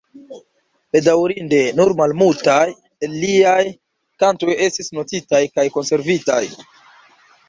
Bedaŭrinde nur malmultaj el liaj kantoj estis notitaj kaj konservitaj.